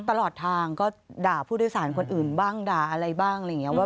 ตลอดทางก็ด่าผู้โดยสารคนอื่นบ้างด่าอะไรบ้างอะไรอย่างนี้